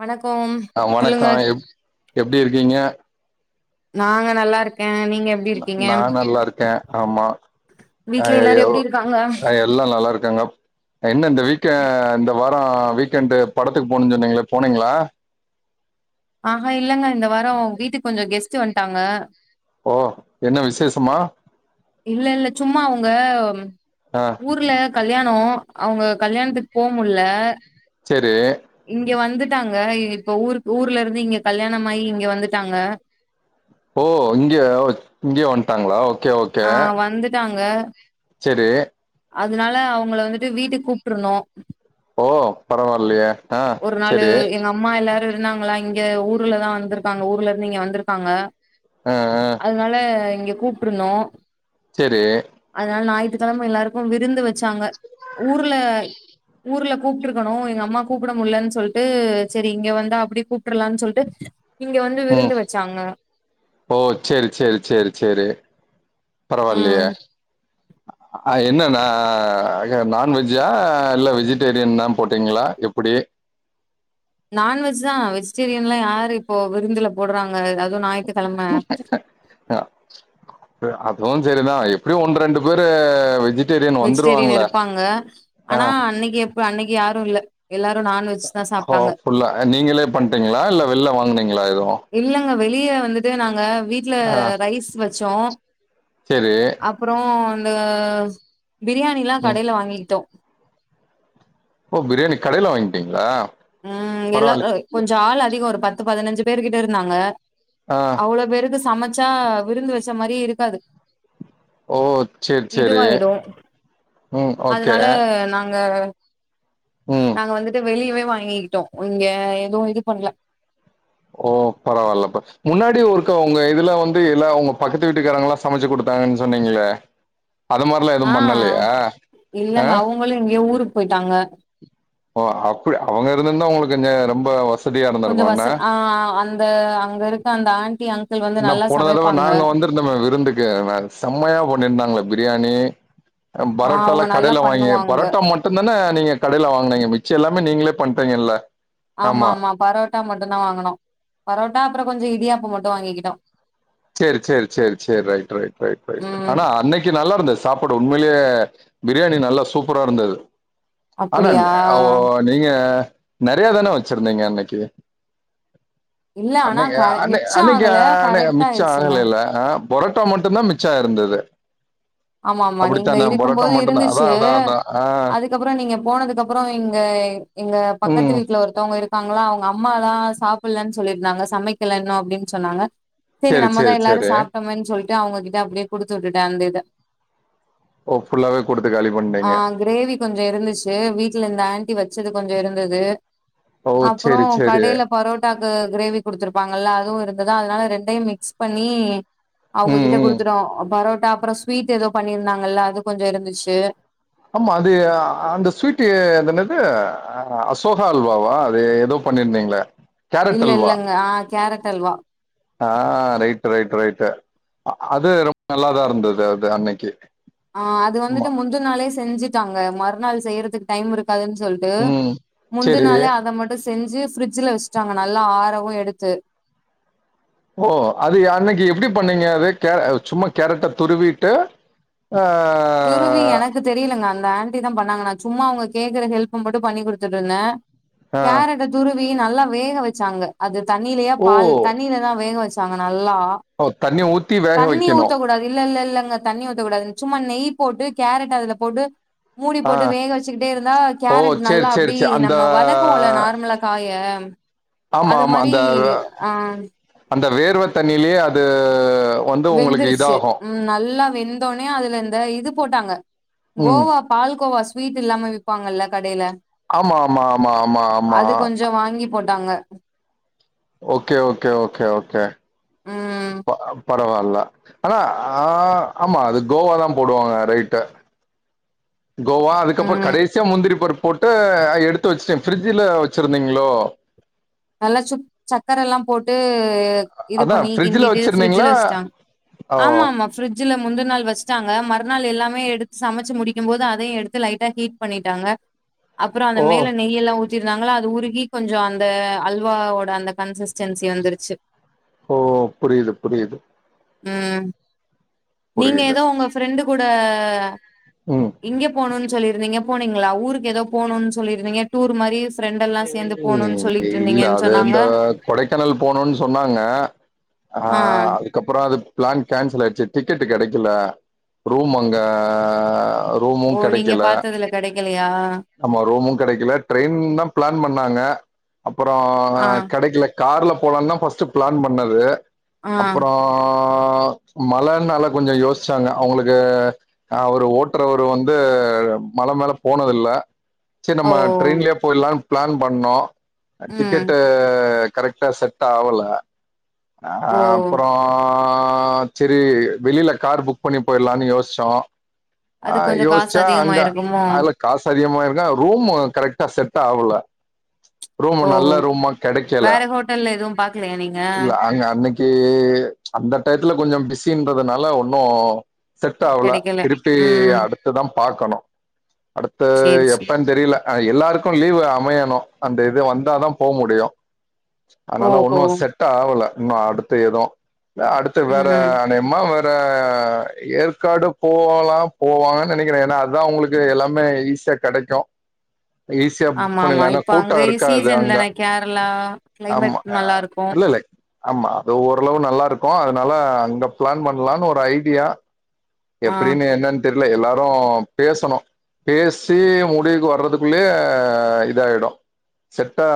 வணக்கம் அ சொல்லுங்க வணக்கம் எப் எப்டி இருக்கீங்க நாங்க நல்லாருக்க நா நல்லா இருக்கே ஆமா வீட்ல எல்லாரு அய்யய்யோ எப்டி இருக்காங்க எல்லா நல்லா இருக்காங்க என்ன இந்த வீக் எண்ட் இந்த வாரோ வீக்கெண்டு் படத்துக்கு போணு சொன்னீங்ளே போனீங்ளா ஆஹ இல்லங்க இந்த வாரோ வீட்டுக்கு கொஞ்சோ கெஸ்ட் வன்ட்டாங்க ஓ என்ன விசேஷமா இல்ல இல்ல சும்மா அவுங்க ஆ ஊர்ல கல்யாணோ அவுங்க கல்யாணத்துக்கு போ முடில செரி இங்க வந்துட்டாங்க இப்ப ஊரு ஊர்ல இருந்து இங்க கல்யாணமாயி இங்க வந்துட்டாங்க ஓ இங்யே இங்யே வன்ட்டாங்ளா ஆ வந்துட்டாங்க சேரி அதனால அவுங்ள வந்துட்டு வீட்டுக்கு கூப்ட்ருந்தோ ஓ பரவால்லியே அ ஒரு நாளு சேரி எங்க அம்மா எல்லாரு இருந்தாங்களா இங்க ஊர்லதா வந்திருக்காங்க ஊர்ல இருந்து இங்க வந்திருக்காங்க அ அ அதுனால இங்க கூப்டிருந்தோ செரி அதனால ஞாயித்துக்கெழம எல்லாருக்கு விருந்து வெச்சாங்க ஊர்ல ஊர்ல கூப்ட்ருக்கணு எங்க அம்மா கூப்பிட முல்லன் சொல்ட்டு செரி இங்க வந்தா அப்டி கூப்டர்லான் சொல்ட்டு இங்க வந்து ம் விருந்து வெச்சாங்க ஓ செரி செரி செரி செரி பரவால்லையே ம் அ என்னன்னா ஆக நான்வெஜ்ஜா இல்ல வெஜிடேரியன் தா போட்டீங்ளா எப்டி நான்வெஜ் தா வெஜிடேரியன்ல்லா யாரு இப்போ விருந்துல போட்றாங்க அது ஞாயித்துக்கெழம அதுவு செரிதா எப்டி ஒண்ணு ரெண்டு பேரு வெஜிட் வெஜிடேரியன் இருப்பாங்க ஆ ஆனா அன்னைக்கு எப்ப அன்னைக்கு யாரு இல்ல எல்லாரு நான்வெஜ் தா ஓ சாப்ட்டாங்க ஃபுல்லா அ நீங்களே பண்ட்டீங்களா இல்ல வெள்ல வாங்கினீங்களா எதுவு இல்லங்க வெளிய வந்துட்டு நாங்க வீட்ல ரைஸ் வெச்சோ செரி அப்றோ இந்த பிரியாணிலா ம் கடைல வாங்கிக்கிட்டோ ஓ பிரியாணி கடைல வாங்கிட்டிங்ளா ம் எல்லா அ கொஞ்ச ஆள் அதிகோ ஒரு பத்து பதினஞ்சு பேரு கிட்ட இருந்தாங்க ஆ அவ்ளோ பேருக்கு சமைச்சா விருந்து வெச்ச மாரியே இருக்காது ஓ சேர் செரி இதுவாயிடு அதனால நாங்க ம் நாங்க வந்துட்டு வெளியவே வாங்கிக்கிட்டோ இங்க எதுவு இது பண்ணல ஓ பரவால்லப்பா முன்னாடி ஒருக்க உங்க இதுல வந்து எல்லா உங்க பக்கத்து வீட்டுக்காரங்ளா சமைச்சு குடுத்தாங்கன் சொன்னீங்களே அது மாரலா எது பண்ணலையா அ வுங்களு எங்கயோ ஊருக்கு போயிட்டாங்க ஓ அப் அவுங்க இருந்திருந்தா உங்களுக்கு இந்த ரொம்ப ஒஸ் கொஞ்ச வச ஆ அந்த அங்க இருக்க அந்த ஆண்டி அங்கிள் வந்து நா நல்லா போன தடவ சமைப்பாங்க [unintelligible] விருந்துக்கு செம்மையா பண்ணிருந்தாங்களே பிரியாணி ஆ பரோட்டால அவங்க நல்லா கடைல வாங்கி பண்ணுவாங்க பரோட்டா மட் டுந்தான நீங்க கடைல வாங்கினீங்க மிச்சோ எல்லாமே நீங்களே பண்டீங்கில்ல ஆமா ஆமா பரோட்டா மட்டுந்தா வாங்கனோ பரோட்டா அப்றோ கொஞ்ச இடியாப்ப மட்டு வாங்கிக்கிட்டோ சேரி சேரி சேரி சேரி ரைட் ரைட் ரைட் ரைட் ம் ஆனா அன்னைக்கு நல்லா இருந்து சாப்புடு உண்மைலே பிரியாணி நல்லா சூப்பரா இருந்தது ஆனா அப்படியா அ ஒ நீங்க நெறையா தான வெச்சிருந்தீங்க அன்னைக்கி இல்ல ஆனா அன்னைக்கி க அன்னை மிச்சோ அன்னைக்கி ஆகல அன் கரெக்டா மிச் ஆயிருச்சுங்க அ அ பொரோட்டா மட்டுந் தா மிச்சோ இருந்தது ஆமா ஆமா நீங்க அப்டித்தான இருக்கும் புரோட்டா மட்டுந்தா அதா அதா அதா ஆ அப்றோ நீங்க போனதுக்கப்றோ இங்க எங்க பக்கத்து ம். வீட்ல ஒருத்தவங்க இருக் காங்களா அவுங்க அம்மாதா சாப்பிட்லன் சொல்லிருந்தாங்க சமைக்கல இன்னு அப்டின் சொன்னாங்க செரி சரி, நம்மதா சரி, எல்லாரு சரி. சாப்ட்டோமேன் சொல்ட்டு அவுங்ககிட்ட அப்டியே குடுத்து உட்டுட்டே அந்த இத ஓ ஃபுல்லாவே குடுத்து காலி பண்டிங்க கொஞ்ச இருந்துச்சு வீட்ல இந்த ஆண்டி வெச்சது கொஞ்சோ இருந்தது ஓ! அப்றோ சரி, சரி. கடைல பரோட்டாக்கு க்ரேவி குடுத்துருப்பாங்கல்ல அதுவு இருந்ததா அதனால ரெண்டையும் மிக்ஸ் பண்ணி ம், அவங்ககிட்ட ம். கொடுத்துட்டோ பரோட்டா அப்புறோ ஸ்வீட் ஏதோ பண்ணிருந்தாங்கல்ல அது கொஞ்சு இருந்துச்சு ஆமா அது அந்த ஸ்வீட் அது என்னது அசோகா அல்வாவா அது ஏதோ பண்ணிருந்தீங்களே இல்ல இல்லங்க ஆ கேரட் அல்வா ஆ ரைட்டு ரைட்டு ரைட்டு அது ரொம்ப நல்லாதா இருந்தது அது அன்னைக்கு ஆ அது ஆமா. வந்துட்டு முந்துன நாளே செஞ்சுட்டாங்க மறுநாள் செய்யறதுக்கு டைம் இருக்காதுன்னு சொல்லி ட்டு ம். முந்தன் சரி. நாளே அத மட்டு செஞ்சு பிரிட்ஜில வச்சுட்டாங்க நல்லா ஆறவு எடுத்து ஓ அது அன்னைக்கு எப்டி பண்ணீங்க அது கே சும்மா கேரட்ட துருவிட்டு ஆ துருவி என க்கு தெரியலுங்க அந்த ஆண்டி தா பண்ணாங்க நா சும்மா அவங்க கேக்குற ஹெல்ப் மட்டு பண்ணி குடுத்துட்டு இருந்தே ஆ கேரட்ட துருவி நல்லா வேக வெச்சாங்க அது தண்ணிலேயா ஓ பால் தண்ணிலதா வேக வச் சாங்க நல்லா ஓ தண்ணி ஊத்தி வேக தண்ணி வைக்கணு ஊத்தக்கூடாது இல்ல இல்ல இல்லங்க தண்ணி ஊத்தக்கூடாது சும்மா நெய் போட்டு கேரட் அதுல போட்டு மூடி ஆ போட்டு வேக வச்சுக்கிட்டே இருந்தா ஓ கேரட் சேரி நல்லா சேரி அப்டி சேரி அந்த நம்ம வதக்குவோம்ல நார்மலா காய ஆமா அது ஆமா மாரி அந்த அ அந்த வேர்வ தண்ணியிலேயே அது வந்து உங்களுக்கு வெந்துருச்சு இதாகு உம் நல்லா வெந்தோனே அதுல இந்த இது போட்டாங்க ம் கோவா பால் கோவா ஸ்வீட் இல்லாம விப்பாங்கல்ல கடையில ஆமா ஆமா ஆமா ஆமா ஆமா கொஞ்ச வாங்கி போட்டாங்க ஓக்கே ஓக்கே ஓக்கே ஓக்கே ம் பா பரவால்ல ஆனா ஆ ஆமா அது கோவா தா போடுவாங்க ரைட்டு கோவா அதுக்கப்புற ம் கடைசியா முந்திரி பருப்பு போட்டு எடுத்து வச்சுட்டே பிரிட்ஜில வச்சிருந்தீங்களோ நல்லா சுக் சக்கர எல்லா போட்டு இது அதா பண்ணி ஃப்ரிட்ஜில கிண்டிட்டு ஃபிரிட்ஜில வச்சிருந்தீங்களா வச்சுட்டாங்க ஓ ஆமா ஆமா ஃப்ரிட்ஜில முந்த நாள் வச்சுட்டாங்க மறுநாள் எல்லாமே எடுத்து சமைச்சு முடிக்கு போது அதையு எடுத்து லைட்டா ஹீட் பண்ணிட்டாங்க அப்புற அந்த ஓ மேல நெய் எல்லா ஊத்திருந்தாங்கள அது உருகி கொஞ்சு அந்த அல்வாவோட அந்த கன்சஸ்டன்சி வந்துருச்சு ஓ புரியுது புரியுது ம் நீங்க புரியுது ஏதோ உங்க ஃப்ரெண்டு கூட ம் இங்கே போணும்னு சொல்லிருந்தீங்க போனீங்களா ஊருக்கு ஏதோ போணும்ன்னு சொல்லியிருந்தீங்க டூர் மாரி ஃப்ரெண்டெல்லா சேர்ந்து போணுன்னு சொல்லி இல்ல அதுதா கொடைக்கானல் போணுன்னு சொன்னாங்க ஆ அப்புறோ அது பிளான் கேன்சல் ஆயிடுச்சு டிக்கெட்டு கெடைக்கல ரூம் அங்க ரூமு ஓ நீங்க கெடைக்கல பாத்ததுல கெடைக்கலையா ஆமா ரூமு கெடைக்கல ட்ரெயின்னுதா பிளான் பண்ணாங்க அப்புறோ ஆ கெடைக்கல கார்ல போலானுதா ஃபஸ்ட் பிளான் பண்ணது ஆ அப்புறோ ஆ மழன்னால கொஞ்சு யோசிச்சாங்க அவங்களுக்கு அவரு ஓட்டுறவரு வந்து மல மேல போனது இல்ல சரி ஓ நம்ம ட்ரெயின்லே போயிடலானு பிளான் பண்ணோ ம் டிக்கெட்டு கரெக்டா செட் செட் ஆவல ஓ அப்புறோ சேரி வெளியில கார் புக் பண்ணி போயிடலான்னு யோசிச்சோ ஆ அது கொஞ்சோ காசு யோசிச்சா அங்க அதிகமாயிருக்குமோ? அதல்ல காசு அதிகமா இருக்கு ரூம் கரக்டா செட் ஆகுல ரூம்மு ஓ நல்ல ரூமா கிடைக்கல வேற ஹோட்டல்ல எதுவு பாக்கலையா நீங்க? இல்ல அங்க அன்னைக்கு இ அந்த டயத்துல கொஞ்ச பிஸின்றதுனால ஒன்னு செட் ஆவல கெடைக்கல. திருப்பி ம் அடுத்துதா பாக்கணு அடுத்து சேரி சேரி. எப்பன்னு தெரில அ எல்லாருக்கும் லீவ் அமையணு அந்த இது வந்தாதா போக முடியு அதுனால ஓஹோ! ஒன்னு செட் ஆவுல இன்னு அடுத்து ஏதுவு இல்ல அடுத்து வேற ம் அனையமா வேற இப்ப அ ஏற்காடு போவலா போவாங்க நெனைக்கிற ஏன்னா அதா உங்களுக்கு எல்லாமே ஈசியா கடைக்கு ஈசியா புக் ஆமா ஆமா. பண்ணிலா ஏன்னா இப்ப கூட்டோ அங்கயு இருக்காது சீசன் அங்க தான கேரளா கிளைமட் ஆமா நல்லா அஹ் இருக்கும் இல்ல இல்ல ஆமா அது ஓரளவு நல்லா இருக்கும் அதனால அங்க பிளான் பண்லான்னு ஒரு ஐடியா ஆ எப்டின்னு என்னன்னு தெரில எல்லாரு பேசணு பேசி முடிவுக்கு வர்றத்துக்குள்ளயே இதாயிடு செட்டா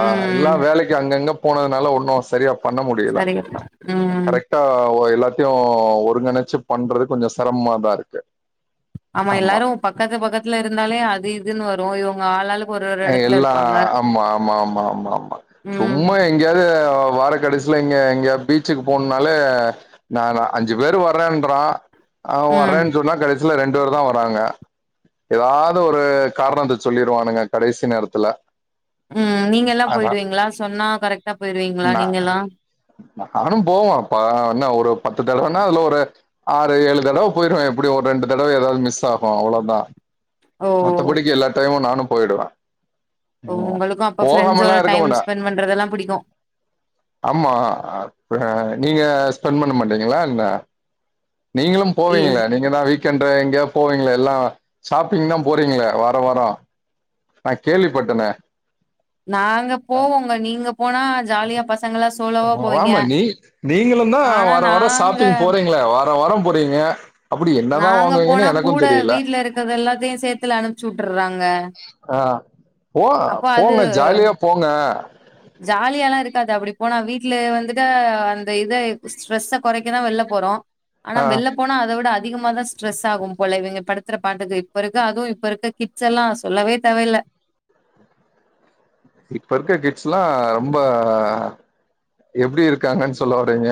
ம் எல்லா வேலைக்கு அங்கங்க போனதுனால ஒண்ணு சரியா பண்ண முடில சரிங்கப்பா. கரக்ட் ம். கரக்டா ஓ எல்லாத்தையு ஒருங்கிணைச்சு பண்றது கொஞ்சோ சிரமமாதா இருக்கு ஆமா எல்லாரு பக்கத்து பக்கத்துல இருந்தாலே அது இதுன்னு வரு இவங்க ஆளாலுக்கு எல்லா ஆமா ஆமா ஆமா ஆமா ஆமா ம். சும்மா எங்கேயாவது வார கடைசில இங்க எங்கயாவுது பீச்சிக்கு போணும்னாலே நான்னா அஞ்சு பேர் வர்றேன்றா அ ம். வர்றேன்னு சொன்னா கடைசி இல்ல இரண்டு பேர் தா வராங்க ஏதாவது ஒரு காரணத்த சொல்லிருவானுங்க கடைசி நேரத்துல்ல ம் நீங்க எல்லா போயிடுவீங்களா சொன்னா கரக்டா போயிடுவீங்களா நா நீங்க எல்லா நானு போவோ இப்ப என்ன ஒரு பத்து தடவன்னா அதுல ஒரு ஆறு ஏழு தடவ போயிடுவ எப்டி ஒரு ரெண்டு தடவ ஏதாவது மிஸ் ஆகு அவ்ளவுதா ஓ! மத்தபடிக்கு எல்லா டையமும் நானு போயிடுவ உங்களுக்கும் அப்ப ஃப்ரெண்ட்ஸ்ஸோட போகாமலா இருக்க டைம் மாட்டே ஸ்பெண்ட் பண்றதுல்லா பிடிக்கும் ஆமா அ நீங்க ஸ்பெண்ட் பண்ண மாட்டீங்களா என்ன நீங்களு இ போவீங்களா நீ எங்கான்னா வீக்கெண்ட் எங்கயா போவீங்கள எல்லா ஷாப்பிங் தா போறீங்களே வார வார நா கேள்விப்பட்டனே நாங்க போவோங்க நீங்க போனா ஜாலியா பசங்க எல்லா சு ஆமா நீ நீங்களு தா ஆனா வார வார நாங்க ஷாப்பிங் போறீங்களே வார வார போறீங்க அப்டி என்னதா வாங்குவிங்கன்னு எனக்கும் தெரில இருக்கிறது எல்லத்தையு சேத்துல அனுப்பச்சு விட்டுர்றாங்க அ போ அப்ப போங்க ஜாலியா போங்க ஜாலிய எல்லா இருக்காது அப்டி போனா வீட்டுல வந்துட்டா அந்த இத ஸ்ட்ரெஸ்ஸ குறைக்கதா வெள்ள போறோ ஆனா ஆ வெள்ள போனா அத விட அதிகமா தா ஸ்ட்ரெஸ் ஆகும் போல இவங்க படுத்துற பாட்டுக்கு இப்ப இருக்க அதுவு இப்ப இருக்க கிட்ஸ் எல்லா சொல்லவே தேவயில்ல இப்ப இருக்க கிட்ஸ் எல்லா ரொம்ப எப்டி இருக்காங்கன்னு சொல்ல வறீங்க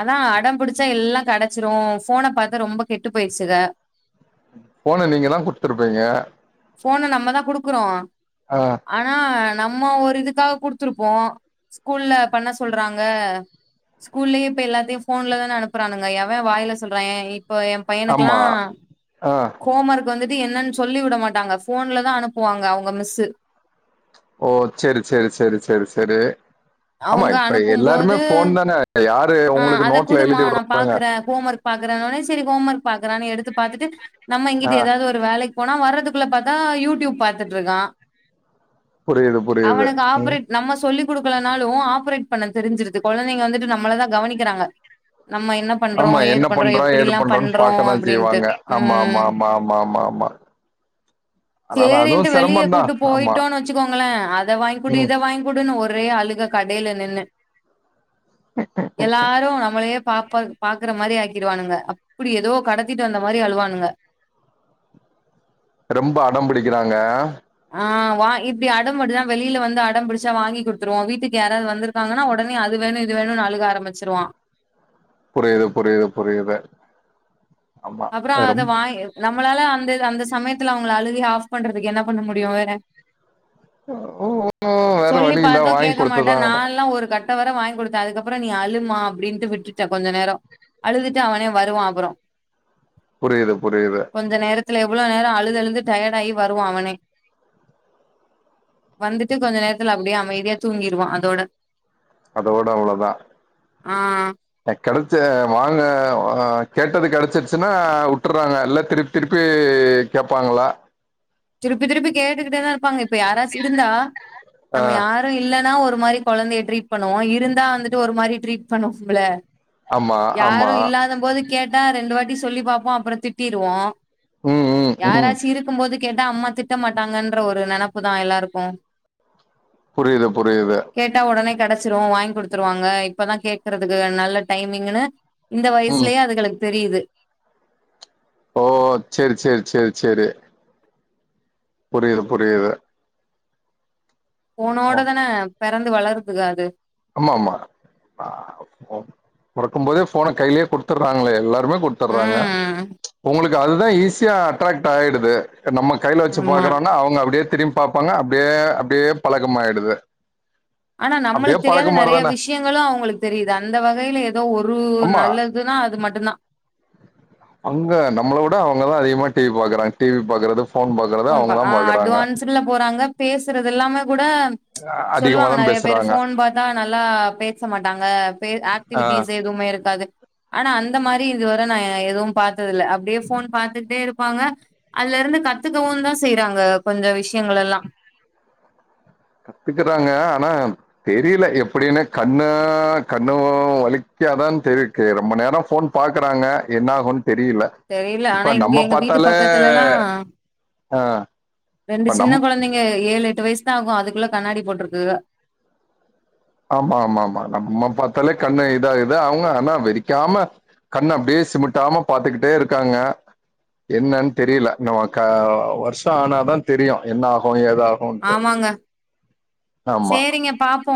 அதா அடம்பிடிச்சா எல்லா கிடைச்சிரு போன்ன பார்த்து ரொம்ப கெட்டு போயிடுச்சுங்க போன நீங்க தா கொடுத்துருப்பீங்க போன நம்ம தா குடுக்குறோ ஆ ஆனா நம்ம ஒரு இதுக்காக குடுத்துருப்போ ஸ்கூல்ல பண்ண சொல்றாங்க ஸ்கூல்லியே இப்ப எல்லாத்தியு போன்ல தானே அனுப்புறானுங்க எவ வாயில சொல்ற ஏ இ இப்ப எ பையனுக்குலா ஆமா ஆ கோமருக்கு வந்துட்டு என்னன் சொல்லி விட மாட் டாங்க போன்ல தா அனுப்புவாங்க அவுங்க மிஸ்சு ஓ சேரி சேரி சேரி சேரி சேரி ஆமா அவங்க இப்ப எல்லாருமே அனுப்பும்போது போன் தானே யாரு ஆ உங்ளுக்கு நோட்ல எழுதி வுற்றாங்க பாக்குரானோன்னே செரி ஹோம் ஒர்க் பாக்குறானு எடுத்து பாத்திட்டு நம்ம இங்கிட்ட ஆ ஏதாவது ஒரு வேலைக் போனா வர்றதுக்குள்ள பாத்தா யூடியூப் பாத்துட்ருக்கா புரியுது புரியுது அவனுக்கு ம் ஆப்ரேட் நம்ம சொல்லி குடுக்கிலனாலு ஆப்ரேட் பண்ண தெரிஞ்சிருது குழந்தைங்க வந்துட்டு நம்மளதா கவனிக்கிறாங்க நம்ம இன்ன பண்றோ ஆமா ஏது என்ன பண்றோ ஏது எப்படில்லா பண்றோன்னு பண்றோ அப்டின்ட்டு ம் மா மா ஆமா அதனால சேரின்ட்டு அதுவு வெளியே சிரமந்தா கூட்டு ஆமா போயிட்டோன் வச்சுக்கோங்ளே அத வாய்ங்குடு ம் இத வாய்ங் குடுனு ஒரே அழுக கடையில நின்னு எல்லாரு நம்மளயே பாப் ப பாக்குற மாரி ஆக்கிடுவானுங்க அப்டி ஏதோ கடத்திட்டு வந்த மாரி அழுவானுங்க ரெம்ப அடம் பிடிக்கிறாங்க ஆ வா இப்டி அடம் மட்டுதா வெளியில வந்து அடம்பிடிச்சா வாங்கி குட்த்துருவோ வீட்டுக்கு யாராது வந்துரு இருக்காங்கன்னா உடனே அது வேணு இது வேணுனு அழுக ஆரம்பிச்சிருவா புரியிது புரியிது புரியிது அப்புற அத வாய்ங்கி நம்மளால அந்த அந்த சமயத்துல அவுங்கள அழுகைய ஆப் பண்றதுக்கு என்ன பண்ண முடியு வேற ம், வேற சொல்லி வழி இல்ல பாத்து வாங்கி கேக்க மாட்டே குடுத்துதா ஆகணு நால்லா ஒரு கட் ட வர வாய்ங் குடுத்த அதுக்கப்புற நீ அழுமா அப்டின்டு விட்டுட்டே கொஞ்ச நேரோ அழுதுட்டு அவனே வருவா அப்புற புரியிது புரியிது கொஞ்ச நேரத்துல எவ்ளோ நேர அழுது அழுது டயட் ஆயி வருவா அவனே வந்துட்டு கொஞ்ச நேரத்துல அப்டியே அமைதியா தூங்கிறுவா அதோட அதோட அவ்ளதா ஆ கெடைச்ச வாங்க கேட்டது கெடைச்சிருச்சுனா வுட்டுறாங்க இல்ல திருப் திருப்பி கேப்பாங்ளா திருப்பி திருப்பி கேட்டுக்கிட்டே தா இருப்பாங்க இப்ப யாராச்சு இருந்தா ஆ நம்ம யார் ஒன்னு இல்லனா ஒரு மாரி கொழந்தைய ட்ரீட் பண்ணுவோ இருந்தா வந்துட்டு ஒரு மாரி ட்ரீட் பண்ணு வோம்ல ஆமா ஆமா யாரு இல்லாதம்போது கேட்டா ரெண்டு வாட்டி சொல்லி பாப்போ அப்புற திட்டிருவோ ம் ம் ம் யாராச்சி இருக்கும்போது கேட்ட அம்மா திட்ட மாட்டாங்கன்ற ஒரு நெனப்பு தா எல்லாருக்கு புரியுது புரியுது கேட்டா ஒடனே கெட ச்சிரு வாய்ங் குடுத்துருவாங்க இப்பதா கேக்குறதுக்கு நல்ல டைமிங்கினு இந்த ம் வயசுலேயே அதுகளுக் தெரியுது ஓ சேரி சேரி சேரி சேரி புரியிது புரியிது போனோட தானே பிறந்து வளருதுக அது ஆமாமா பொறக்கும் போதே போன கைலே குடுத்துர்றாங்ளே எல்லா ருமே குட்த்திர்றாங்க ம் உங்ளுக்கு அதுதா ஈஸியா அட்ராக்ட் ஆயிடுது நம்ம கைல வச்சு ஆமா பாக்குறோனா அவுங்க அப்டியே திரிம் பாப்பாங்க அப்டியே அப்டியே பழகமாய்டுது ஆனா நம்மளுக் தெரியாத நறைய விஷ்யங்களு அவுங்களுக் தெரியுது அந்த வகையில ஏதோ ஒரு ஆமா நல்ல துனா அது மட்டுந்தா அங்க நம்ளவுட அவுங்க தா அதிகமா டி வி பாக்குறாங்க டி வி பாக்குறது ஃபோன் பாக்குறது போன்பா அவங்கதா ஆ பாக்குறாங்க அட்வான்ஸுல போறாங்க பேசுறது எல்லாமே கூட அதிகமா சொல்லுவாங்க தா நறைய பேரு பேசுறாங்க போன் பாத்தா நல்லா பேச மாட்டாங்க பே ஆ ஆக்டிவிட்டிஸ் எதுமே இருக்காது ஆனா அந்த மாரி இதுவர நா எதுவும் பாத்தது இல்ல அப்டியே போன் பாத்துட்டே இருப்பாங்க அதுல இருந்து கத்துக்கவு தா செய்றாங்க கொஞ்ச விஷயங்கள எல்லா கத்துக்குறாங்க ஆனா தெரில எப்டின்னு கண்ணு கண்ணு வலிக்காதான் தெரி கே ரொம்ப நேரோ போன் பாக்குறாங்க என்ன ஆகுன் தெரில தெரில ஆனா இங்க எங்க வீட்டு பக்கத்துலலா ஆ ரெண்டு இப்ப சின்ன நம் கொழந்தைங்க ஏழு எட்டு வயசு தா ஆகு அதுக்குள்ள கண்ணாடி போட்டிருக்குக ஆமா ஆமா ஆமா நம்ம பார்த்தாலே கண்ணு இதாகுது அவுங்க ஆனா வெறிக்காம கண்ண அப்டியே சிமுட்டாம பாத்துக்கிட்டே இருக்காங்க என்னன் தெரில நமகா வருஷோ ஆனாதா தெரியு என்ன ஆகு ஏதா ஆமாங்க ஆமா சே சேரிங்க பாப்போ